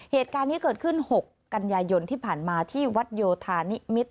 เหตุการณ์นี้เกิดขึ้น๖กันยายนที่ผ่านมาที่วัดโยธานิมิตร